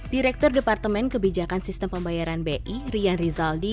direktur departemen kebijakan sistem pembayaran bi rian rizaldi